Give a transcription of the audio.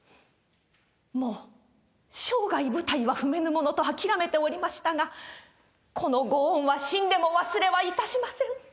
「もう生涯舞台は踏めぬものと諦めておりましたがこの御恩は死んでも忘れはいたしません」。